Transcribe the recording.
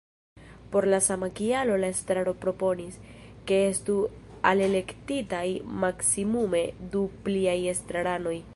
Pro la sama kialo la estraro proponis, ke estu alelektitaj maksimume du pliaj estraranoj.